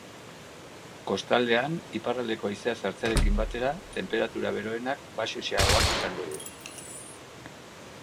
Kostaldean, iparraldeko haizea sartzearekin batera, tenperatura beroenak baxuxeagoak izango dira.